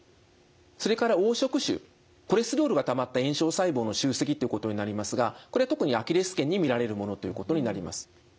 それから黄色腫コレステロールがたまった炎症細胞の集積ということになりますがこれ特にアキレス腱に見られるものということになります。